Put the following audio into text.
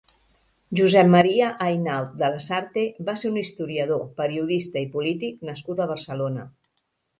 Josep Maria Ainaud de Lasarte va ser un historiador, periodista i polític nascut a Barcelona.